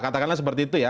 katakanlah seperti itu ya